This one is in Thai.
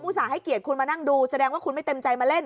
ส่าห์ให้เกียรติคุณมานั่งดูแสดงว่าคุณไม่เต็มใจมาเล่น